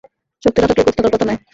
শক্তি না থাকলে গতি থাকার কথা নয়।